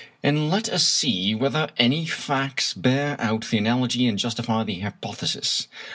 And let us see whether any facts bear out the analogy and justify the hypothesis.